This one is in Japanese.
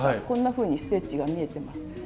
こんなふうにステッチが見えてます。